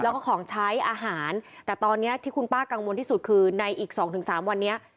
แล้วก็ของใช้อาหารแต่ตอนนี้ที่คุณป้ากังวลที่สุดคือในอีกสองถึงสามวันนี้